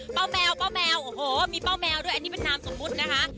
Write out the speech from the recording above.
แมวป้าแมวโอ้โหมีป้าแมวด้วยอันนี้เป็นนามสมมุตินะคะ